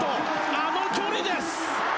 あの距離です！